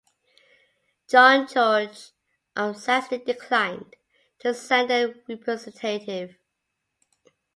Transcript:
John George of Saxony declined to send a representative.